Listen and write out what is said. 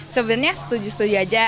sebenarnya setuju setuju aja